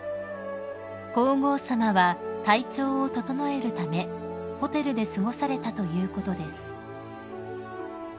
［皇后さまは体調を整えるためホテルで過ごされたということです］